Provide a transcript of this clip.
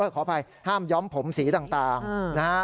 ขออภัยห้ามย้อมผมสีต่างนะฮะ